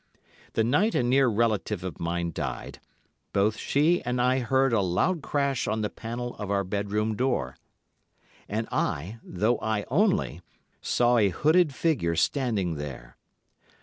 The night a near relative of mine died both she and I heard a loud crash on the panel of our bedroom door, and I, though I only, saw a hooded figure standing there.